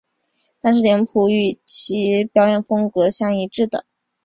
但是脸谱是与其表演风格相一致的。